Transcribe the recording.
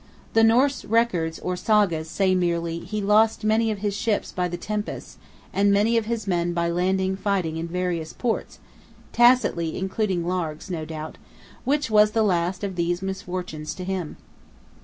The Norse Records or Sagas say merely, he lost many of his ships by the tempests, and many of his men by land fighting in various parts, tacitly including Largs, no doubt, which was the last of these misfortunes to him.